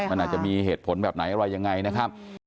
มันอาจจะมีเหตุผลแบบไหนอะไรยังไงนะครับ